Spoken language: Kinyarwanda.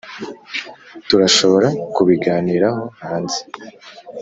turashobora kubiganiraho hanze?